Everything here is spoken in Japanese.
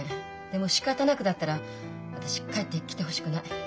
でも「しかたなく」だったら私帰ってきてほしくない。